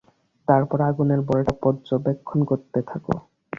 তারপর আগুনের বলটা পর্যবেক্ষণ করতে থাকো।